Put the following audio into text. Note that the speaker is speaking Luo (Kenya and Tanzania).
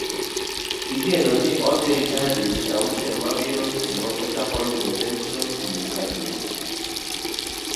Igeno ni odhi ritaya dweche auchiel mabiro kendo ochak yudo penson dwe ka dwe.